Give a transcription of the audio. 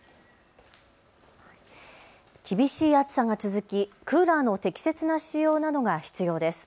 厳しい暑さが続きクーラーの適切な使用などが必要です。